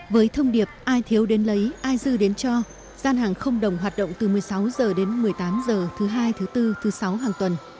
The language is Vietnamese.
với thông điệp ai thiếu đến lấy ai dư đến cho gian hàng không đồng hoạt động từ một mươi sáu h đến một mươi tám h thứ hai thứ bốn thứ sáu hàng tuần